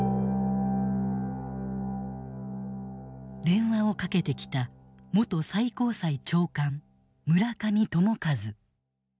電話をかけてきた元最高裁長官村上朝一。